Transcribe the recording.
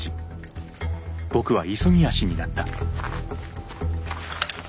僕は急ぎ足になった。